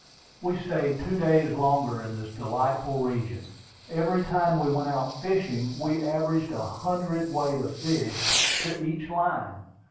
We stayed two days longer in this delightful region. Every time we went out fishing we averaged a hundred weight of fish to each line.